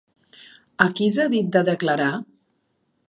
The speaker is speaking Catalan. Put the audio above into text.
A qui s'ha dit de declarar?